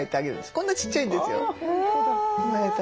こんなちっちゃいんですよ。生まれたて。